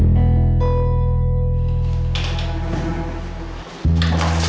pasti ada di situ